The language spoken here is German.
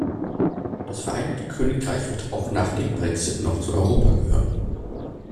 Das Vereinigte Königreich wird auch nach dem Brexit noch zu Europa gehören.